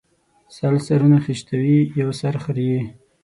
سل سرونه خشتوي ، يو سر خريي